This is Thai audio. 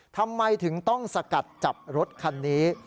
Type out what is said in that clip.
ทำไมถึงต้องสกัดจับรถคันนี้